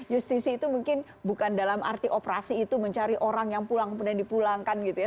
justisi itu mungkin bukan dalam arti operasi itu mencari orang yang pulang kemudian dipulangkan gitu ya